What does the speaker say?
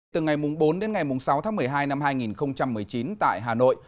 từ ngày bốn đến ngày sáu tháng một mươi hai năm hai nghìn một mươi chín tại hà nội